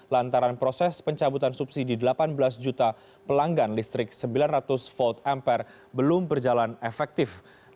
lantaran proses pencabutan subsidi delapan belas juta pelanggan listrik sembilan ratus volt ampere belum berjalan efektif